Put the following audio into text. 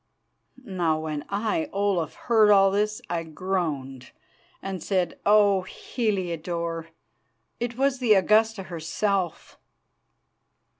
Now when I, Olaf, heard all this, I groaned and said: "Oh! Heliodore, it was the Augusta herself."